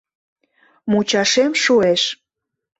Мучашем шуэш...